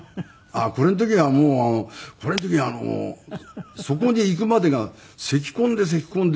これの時はもうこれの時はそこに行くまでがせき込んでせき込んで。